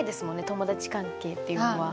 友達関係っていうのは。